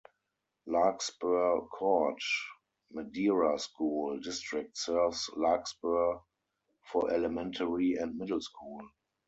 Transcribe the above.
Larkspur-Corte Madera School District serves Larkspur for elementary and middle school.